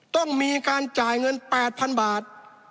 ต้องมีการจ่ายเงิน๘๐๐๐บาท